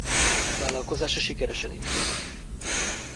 Vállalkozása sikeresen indult.